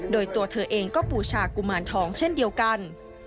โดยตัวเธอเองก็บูชากุมารทองเช่นเดียวกัน